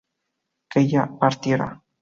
que ella partiera